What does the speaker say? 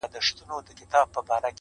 دا د روپیو تاوان څۀ ته وایي ,